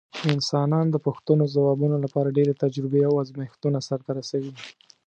انسانان د پوښتنو ځوابولو لپاره ډېرې تجربې او ازمېښتونه سرته رسوي.